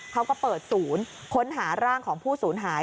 เขาก็เปิดศูนย์ค้นหาร่างของผู้สูญหาย